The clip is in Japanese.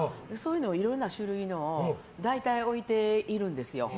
いろいろな種類のを大体置いているんです。